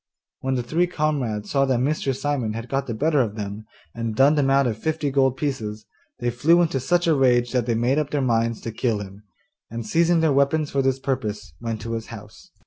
When the three comrades saw that Mr. Simon had got the better of them, and done them out of fifty gold pieces, they flew into such a rage that they made up their minds to kill him, and, seizing their weapons for this purpose, went to his house.